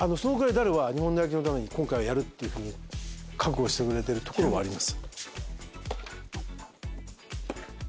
日本の野球のために今回はやる！っていうふうに覚悟してくれてるところはあります。